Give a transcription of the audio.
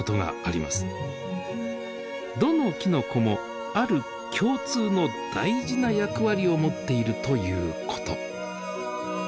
どのきのこもある共通の大事な役割を持っているということ。